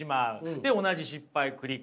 で同じ失敗繰り返す。